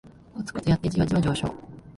コツコツやってジワジワ上昇